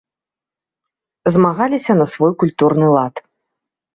Змагаліся на свой культурны лад.